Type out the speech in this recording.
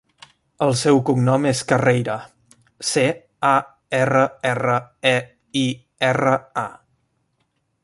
El seu cognom és Carreira: ce, a, erra, erra, e, i, erra, a.